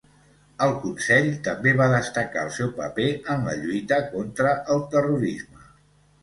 El Consell també va destacar el seu paper en la lluita contra el terrorisme.